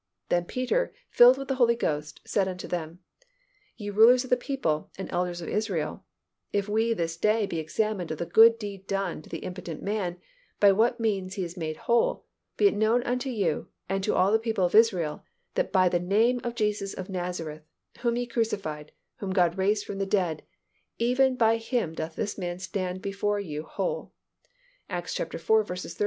Then Peter, filled with the Holy Ghost, said unto them, Ye rulers of the people, and elders of Israel, if we this day be examined of the good deed done to the impotent man, by what means he is made whole; be it known unto you all, and to all the people of Israel, that by the name of Jesus of Nazareth, whom ye crucified, whom God raised from the dead, even by Him doth this man stand here before you whole" (Acts iv.